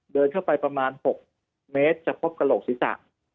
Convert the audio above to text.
เดินเข้าไปประมาณ๖เมตรจะพบกระโหลกศีรษะ